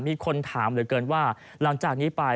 มีคนถามเหลือเกินว่าหลังจากนี้ไป